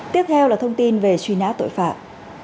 tiếp theo là thông tin về truy nã tội phạm